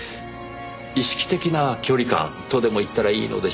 意識的な距離感とでも言ったらいいのでしょうか。